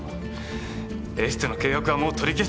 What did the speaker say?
エステの契約はもう取り消したじゃない。